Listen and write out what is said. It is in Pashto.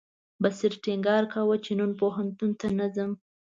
بصیر ټینګار کاوه چې نن پوهنتون ته نه ځم.